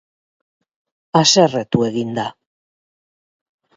Haserretu egin da.